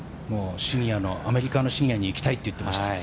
アメリカのシニアにいきたいと言っていました。